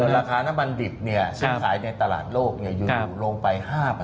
ราคาน้ำมันดิบซึ่งขายในตลาดโลกอยู่ลงไป๕